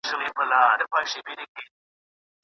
له کوهي د منګوټیو را ایستل وه